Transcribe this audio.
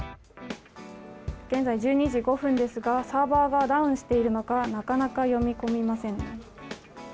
現在、１２時５分ですがサーバーがダウンしているのかなかなか読み込みませんね。